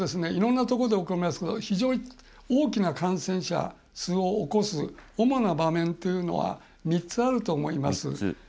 いろんなところで起こりますけど非常に大きな感染者数を起こす主な場面というのは３つあると思います。